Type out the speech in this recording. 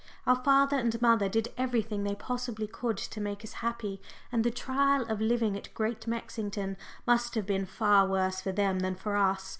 Our father and mother did everything they possibly could to make us happy, and the trial of living at Great Mexington must have been far worse for them than for us.